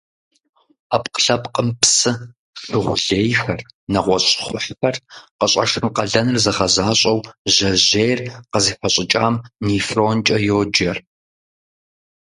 Ӏэпкълъэпкъым псы, шыгъу лейхэр, нэгъуэщӀ щхъухьхэр къыщӀэшын къалэныр зыгъэзащӀэу жьэжьейр къызыхэщӀыкӀам нефронкӀэ йоджэр.